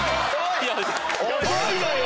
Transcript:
遅いのよ！